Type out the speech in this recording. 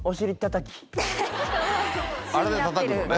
あれでたたくのね。